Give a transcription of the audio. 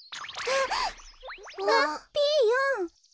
あっピーヨン！